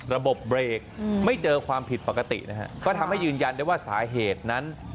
ระบบเบรกไม่เจอความผิดปกตินะฮะก็ทำให้ยืนยันได้ว่าสาเหตุนั้น